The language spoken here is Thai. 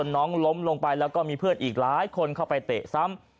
น้องล้มลงไปแล้วก็มีเพื่อนอีกหลายคนเข้าไปเตะซ้ำ